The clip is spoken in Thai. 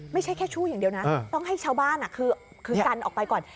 ไม่ใช่แค่ชู่อย่างเดียวนะต้องให้ชาวบ้านคือกันออกไปก่อน